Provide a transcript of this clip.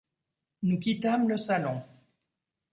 Nous quittâmes le salon.